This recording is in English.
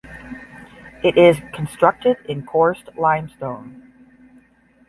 It is constructed in coursed limestone.